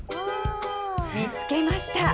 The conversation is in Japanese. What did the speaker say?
見つけました！